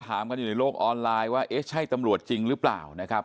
ถามกันอยู่ในโลกออนไลน์ว่าเอ๊ะใช่ตำรวจจริงหรือเปล่านะครับ